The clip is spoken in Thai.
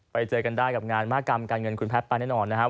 ไปเจอกันได้กับงานมหากรรมการเงินคุณแพทย์ไปแน่นอนนะครับ